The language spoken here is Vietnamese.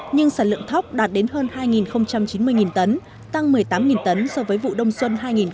nhưng sản lượng thóc đạt đến hơn hai chín mươi tấn tăng một mươi tám tấn so với vụ đông xuân hai nghìn một mươi hai nghìn hai mươi